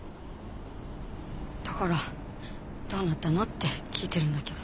だからどうなったのって聞いてるんだけど。